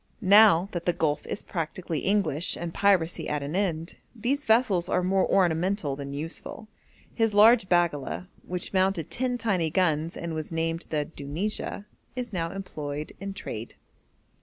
Now that the Gulf is practically English and piracy at an end, these vessels are more ornamental than useful. His large baggala, which mounted ten tiny guns and was named the Dunijah, is now employed in trade.